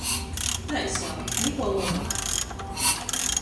Tai sev, nikuo loba.